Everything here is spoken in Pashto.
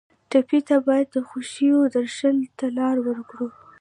ټپي ته باید د خوښیو درشل ته لار ورکړو.